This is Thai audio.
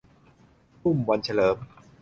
อุ้มวันเฉลิม